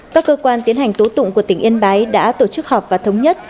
các cơ quan tiến hành tố tụng của tỉnh yên bái đã tổ chức họp và thống nhất